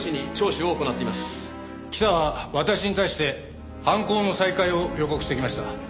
北は私に対して犯行の再開を予告してきました。